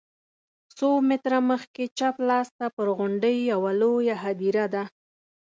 څو متره مخکې چپ لاس ته پر غونډۍ یوه لویه هدیره ده.